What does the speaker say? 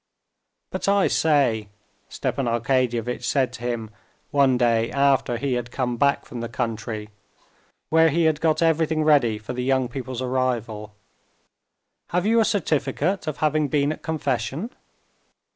"But I say," Stepan Arkadyevitch said to him one day after he had come back from the country, where he had got everything ready for the young people's arrival, "have you a certificate of having been at confession?"